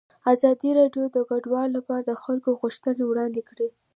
ازادي راډیو د کډوال لپاره د خلکو غوښتنې وړاندې کړي.